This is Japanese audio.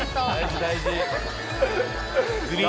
大事大事。